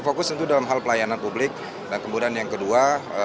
fokus tentu dalam hal pelayanan publik dan kemudian yang kedua